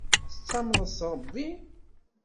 Tettamneḍ s Ṛebbi?